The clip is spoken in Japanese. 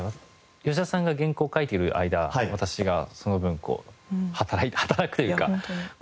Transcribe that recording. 吉田さんが原稿を書いてる間私がその分こう働いて働くというか。